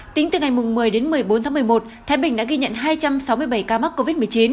tính từ ngày một mươi đến một mươi bốn tháng một mươi một thái bình đã ghi nhận hai trăm sáu mươi bảy ca mắc covid một mươi chín